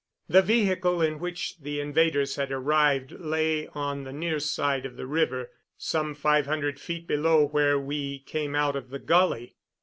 The vehicle in which the invaders had arrived lay on the near side of the river, some five hundred feet below where we came out of the gully.